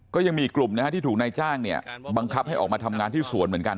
ก็ยังมีกลุ่มนะฮะที่ถูกนายจ้างเนี่ยบังคับให้ออกมาทำงานที่สวนเหมือนกัน